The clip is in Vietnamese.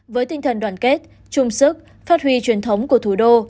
với tinh thần đoàn kết chung sức phát huy truyền thống của thủ đô